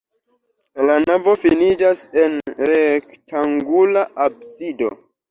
La navo finiĝas en rektangula absido.